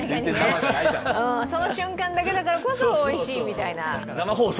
その瞬間だけだからこそおいしいみたいな。